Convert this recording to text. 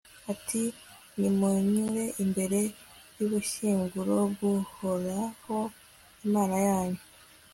ati nimunyure imbere y'ubushyinguro bw'uhoraho, imana yanyu